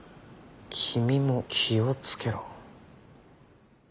「君も気をつけろ」